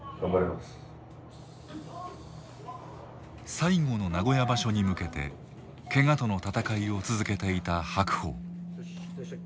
最後の名古屋場所に向けてケガとの闘いを続けていた白鵬。